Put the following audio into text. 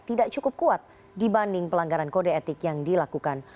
tidak cukup kuat dibanding pelanggaran kode etik yang dilakukan